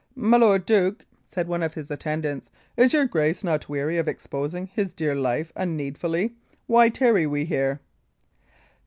"My lord duke," said one of his attendants, "is your grace not weary of exposing his dear life unneedfully? Why tarry we here?"